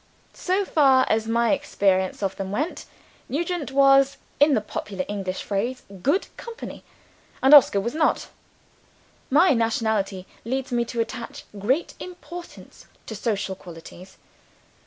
So far as my experience of them went, Nugent was (in the popular English phrase) good company and Oscar was not. My nationality leads me to attach great importance to social qualities.